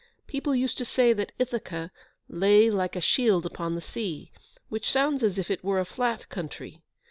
People used to say that Ithaca "lay like a shield upon the sea," which sounds as if it were a flat country.